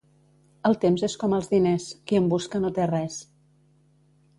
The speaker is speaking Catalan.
El temps és com els diners: qui en busca no té res.